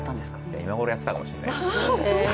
今ごろやってたかもしれないです。